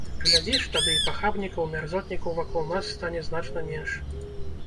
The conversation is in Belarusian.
Глядзіш, тады і пахабнікаў, мярзотнікаў вакол нас стане значна менш.